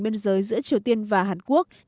biên giới giữa triều tiên và hàn quốc